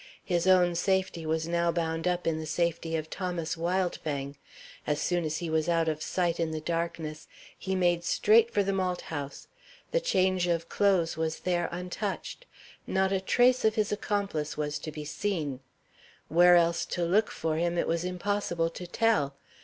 His own safety was now bound up in the safety of Thomas Wildfang. As soon as he was out of sight in the darkness, he made straight for the malt house. The change of clothes was there untouched; not a trace of his accomplice was to be seen. Where else to look for him it was impossible to tell.